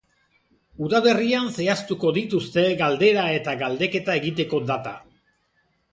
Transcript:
Udaberrian zehaztuko dituzte galdera eta galdeketa egiteko data.